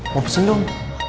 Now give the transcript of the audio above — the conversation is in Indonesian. mau pesen dong